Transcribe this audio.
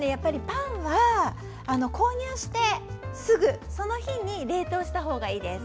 パンは購入してすぐその日に冷凍したほうがいいです。